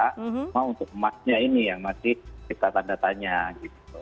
cuma untuk emasnya ini yang masih kita tanda tanya gitu